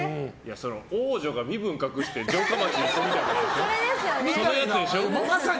王女が身分隠して城下町に行くみたいなね。